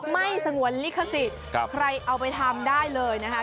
ไม่สงวนลิขสิทธิ์ใครเอาไปทำได้เลยนะคะ